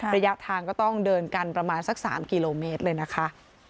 ระยะทางก็ต้องเดินกันประมาณสัก๓กิโลเมตรเลยนะคะ